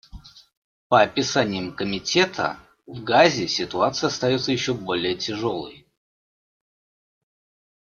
По описаниям Комитета, в Газе ситуация остается еще более тяжелой.